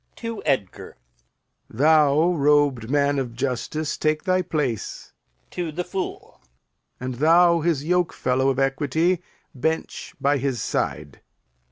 [To Edgar] Thou, robed man of justice, take thy place. [To the Fool] And thou, his yokefellow of equity, Bench by his side.